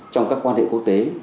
trong các quan hệ quốc tế